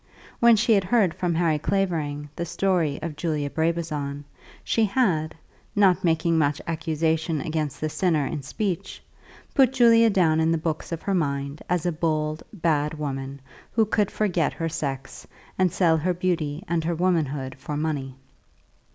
When she had heard from Harry Clavering the story of Julia Brabazon, she had, not making much accusation against the sinner in speech, put Julia down in the books of her mind as a bold, bad woman who could forget her sex, and sell her beauty and her womanhood for money.